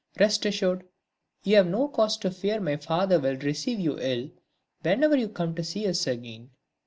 Rest assured you have no cause to fear my father will receive you ill whenever you come to see us again.